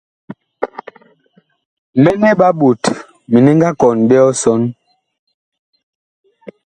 Mɛnɛ ɓa ɓot mini nga kɔn ɓe ɔsɔn.